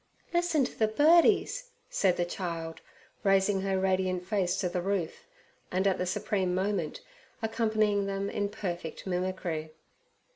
'Listen to th' birdies,' said the child, raising her radiant face to the roof, and at the supreme moment accompanying them in perfect mimicry.